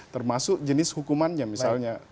termasuk jenis hukumannya misalnya